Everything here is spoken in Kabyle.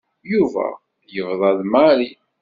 Yuba yebḍa d Mary.